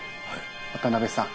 渡辺さん